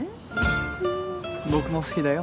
僕も好きだよ